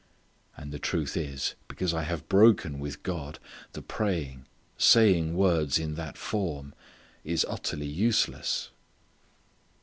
_" And the truth is because I have broken with God the praying saying words in that form is utterly worthless.